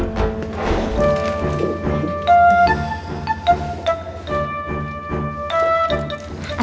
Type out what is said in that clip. terima kasih bu dokter